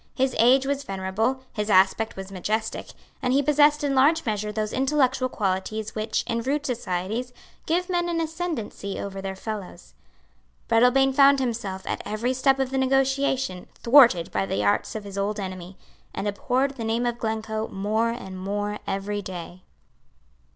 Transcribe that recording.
His age was venerable; his aspect was majestic; and he possessed in large measure those intellectual qualities which, in rude societies, give men an ascendency over their fellows. Breadalbane found himself, at every step of the negotiation, thwarted by the arts of his old enemy, and abhorred the name of Glencoe more and more every day.